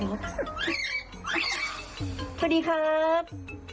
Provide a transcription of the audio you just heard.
สวัสดีครับ